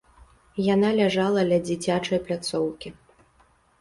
Яна ляжала ля дзіцячай пляцоўкі.